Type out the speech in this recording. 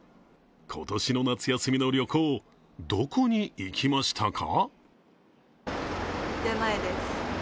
今年の夏休みの旅行どこに行きましたか？